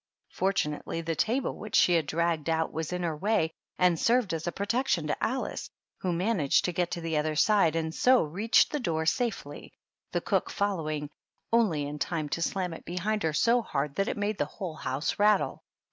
Fortunately, the table which she had dragged out was in her way, and served as a protection to Alice, who managed to get on the other side, and so reached the door safely, the cook following, only in time to slam it 44 THE DUCHESS AND HER HOUSE. behind her so hard that it made the whole house rattle.